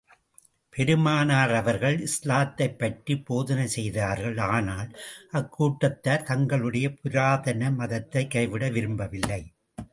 அக்கூட்டத்தினருக்குப் பெருமானார் அவர்கள் இஸ்லாத்தைப் பற்றி போதனை செய்தார்கள் ஆனால், அக்கூட்டத்தார் தங்களுடைய புராதன மதத்தைக் கைவிட விரும்பவில்லை.